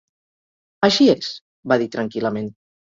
"Així és", va dir tranquil·lament.